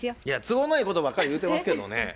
いや都合のいいことばっかり言うてますけどね